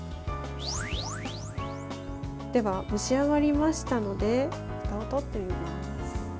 では、蒸し上がりましたのでふたを取ってみます。